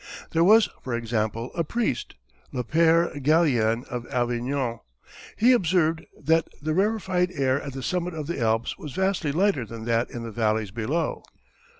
There was, for example, a priest, Le Père Galien of Avignon. He observed that the rarified air at the summit of the Alps was vastly lighter than that in the valleys below.